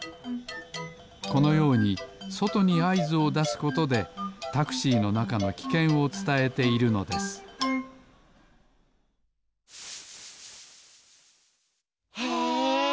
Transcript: このようにそとにあいずをだすことでタクシーのなかのきけんをつたえているのですへえ！